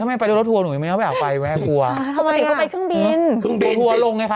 ถ้าแม่ไปด้วยรถทัวร์หนูค่ะไม่อยากไปแม่ก็ไม่กลัว